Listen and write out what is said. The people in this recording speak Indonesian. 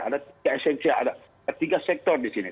ada tiga esensial ada tiga sektor di sini